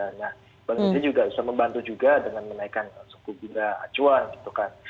nah bank indonesia juga bisa membantu juga dengan menaikkan suku bunga acuan gitu kan